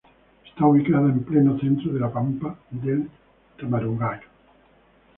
Está ubicada en pleno centro en la pampa del Tamarugal.